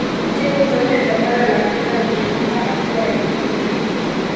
timu zote za bara la afrika zilitoka hatua ya makundi